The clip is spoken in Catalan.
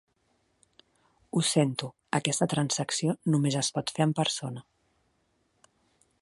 Ho sento, aquesta transacció només es pot fer en persona.